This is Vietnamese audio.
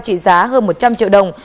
trị giá hơn một trăm linh triệu đồng